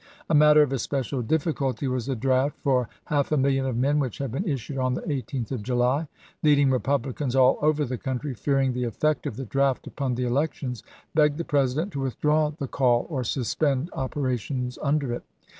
A matter of especial difficulty was the draft for half a million of men which had been issued i864. on the 18th of July. Leading Eepublicans all over the country, fearing the effect of the draft upon the elections, begged the President to withdraw the call or suspend operations under it.